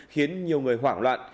khiến nhiều người hoảng loạn